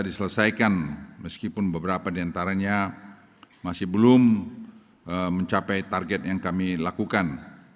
diselesaikan meskipun beberapa di antaranya masih belum mencapai target yang kami lakukan